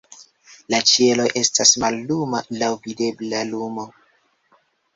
La ĉielo estas malluma, laŭ videbla lumo.